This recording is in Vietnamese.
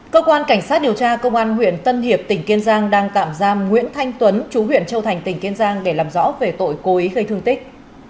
cơ quan cảnh sát điều tra công an huyện tân hiệp tỉnh kiên giang đang tạm giam nguyễn thanh tuấn chú huyện châu thành tỉnh kiên giang để làm rõ về tội cố ý gây thương tích